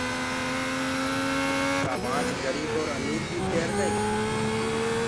ڪآ گھڙي گريب اور امير بي پيردآئين